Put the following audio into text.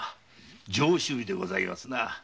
上首尾でございますな。